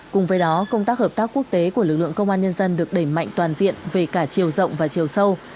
cùng với đó công tác hợp tác quốc tế của lực lượng công an nhân dân được đẩy mạnh toàn diện về cả chiều rộng và chiều sâu